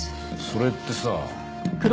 それってさ